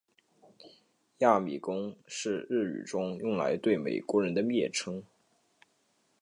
亚米公是日语中用来对美国人的蔑称。